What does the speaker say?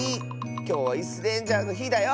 きょうは「イスレンジャー」のひだよ！